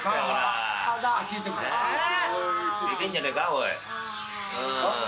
おい。